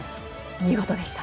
見事でした。